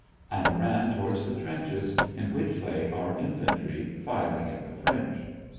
" and ran to wards the trenches in which lay our infantry, fir ing at the French.